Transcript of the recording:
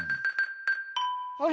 あれ？